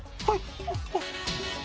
はい。